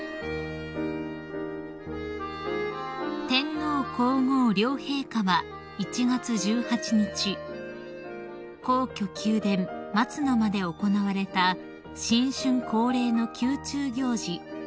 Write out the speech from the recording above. ［天皇皇后両陛下は１月１８日皇居宮殿松の間で行われた新春恒例の宮中行事